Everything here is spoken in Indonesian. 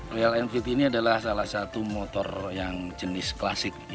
royal enfit ini adalah salah satu motor yang jenis klasik